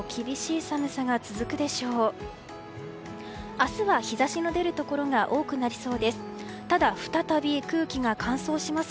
明日は日差しの出るところが多くなりそうです。